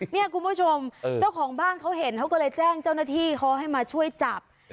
เนี่ยคุณผู้ชมเจ้าของบ้านเขาเห็นเขาก็เลยแจ้งเจ้าหน้าที่เขาให้มาช่วยจับ